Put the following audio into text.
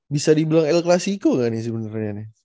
bisa dibilang el clasico gak nih sebenarnya nih